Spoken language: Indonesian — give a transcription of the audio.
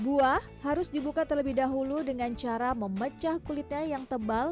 buah harus dibuka terlebih dahulu dengan cara memecah kulitnya yang tebal